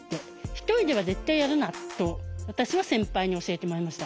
一人では絶対やるなと私は先輩に教えてもらいました。